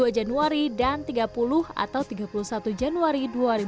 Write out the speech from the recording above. dua januari dan tiga puluh atau tiga puluh satu januari dua ribu delapan belas